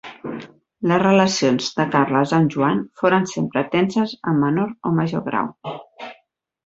Les relacions de Carles amb Joan foren sempre tenses en menor o major grau.